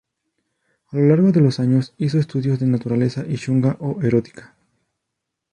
A lo largo de los años hizo estudios de naturaleza y "shunga", o erótica.